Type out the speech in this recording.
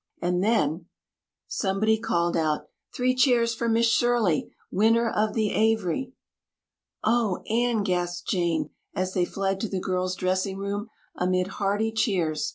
And then! Somebody called out: "Three cheers for Miss Shirley, winner of the Avery!" "Oh, Anne," gasped Jane, as they fled to the girls' dressing room amid hearty cheers.